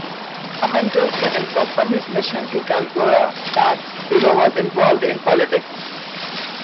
Commentators can infer from his mission to Caligula that Philo was involved in politics.